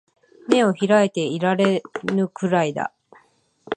眼を開いていられぬくらいだ